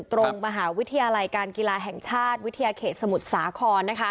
ตรงมหาวิทยาลัยการกีฬาแห่งชาติวิทยาเขตสมุทรสาคร